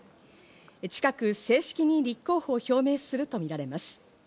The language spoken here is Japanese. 近く正式に立候補を表明するとみられます。